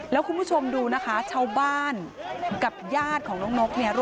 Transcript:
แล้วคุณผู้ชมดูนะคะชาวบ้านกับญาติของน้องนกเนี่ย